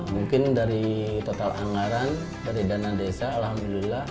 mungkin dari total anggaran dari dana desa alhamdulillah